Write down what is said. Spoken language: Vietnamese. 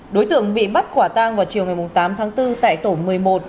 đối tượng bị bắt quả tang vào chiều ngày tám tháng bốn tại tổ một mươi một